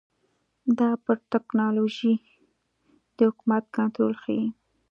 دا پر ټکنالوژۍ د حکومت کنټرول ښيي.